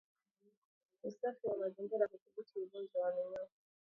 Usafi wa mazingira hudhibiti ugonjwa wa minyoo